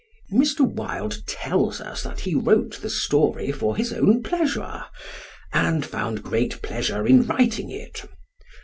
Mr. Wilde tells us that he wrote the story for his own pleasure, and found great pleasure in writing it.